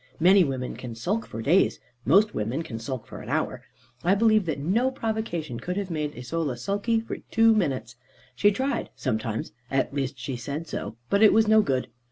Many women can sulk for days; most women can sulk for an hour; I believe that no provocation could have made Isola sulky for two minutes. She tried sometimes (at least she said so), but it was no good.